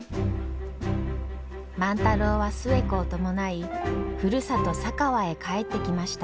万太郎は寿恵子を伴いふるさと佐川へ帰ってきました。